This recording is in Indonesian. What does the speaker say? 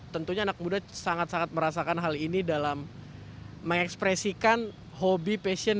tentunya anak muda sangat sangat merasakan hal ini dalam mengekspresikan hobi passion